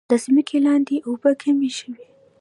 د ځمکې لاندې اوبه کمې شوي؟